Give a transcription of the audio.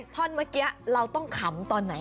ท่อนเมื่อกี้เราต้องขำตอนไหน